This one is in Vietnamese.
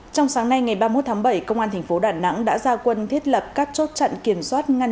trong sáng nay ngày ba mươi một tháng bảy công an thành phố đà nẵng đã ra quân thiết lập các chốt trận kiểm soát ngăn